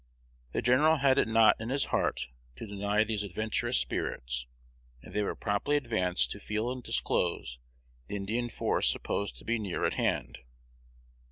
The general had it not in his heart to deny these adventurous spirits, and they were promptly advanced to feel and disclose the Indian force supposed to be near at hand.